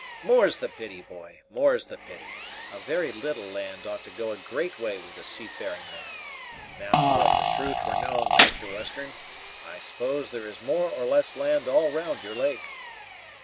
"More's the pity, boy, more's the pity! A very little land ought to go a great way with a seafaring man. Now, if the truth were known, Master Western, I suppose there is more or less land all round your lake."